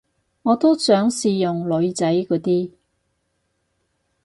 我都想試用女仔嗰啲